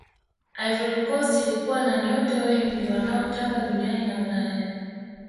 ivory coast ilikuwa na nyota wengi wanaotamba duniani na ulaya